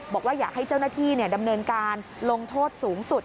บอกว่าอยากให้เจ้าหน้าที่ดำเนินการลงโทษสูงสุด